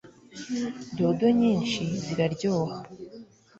dodo nyinshi ziraryoha